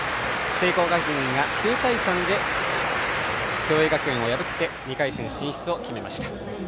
聖光学院が９対３で共栄学園を破って２回戦進出を決めました。